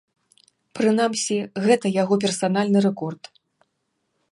Прынамсі, гэта яго персанальны рэкорд.